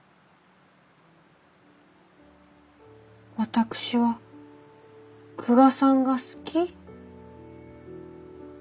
私は久我さんが好き。